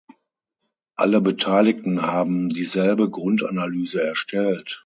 Alle Beteiligten haben dieselbe Grundanalyse erstellt.